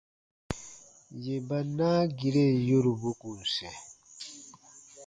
Yè ba naagiren yorubu kùn sɛ̃.